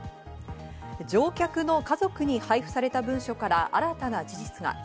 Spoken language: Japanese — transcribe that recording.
乗客の家族に配布された文書から新たな事実が。